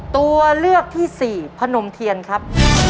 ตัวเลือกที่สี่พนมเทียนครับ